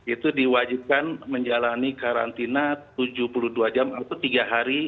itu diwajibkan menjalani karantina tujuh puluh dua jam atau tiga hari